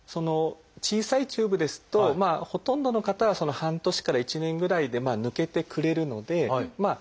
小さいチューブですとほとんどの方は半年から１年ぐらいで抜けてくれるのでまあ